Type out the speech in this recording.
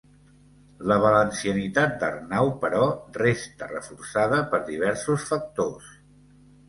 La valencianitat d'Arnau, però, resta reforçada per diversos factors.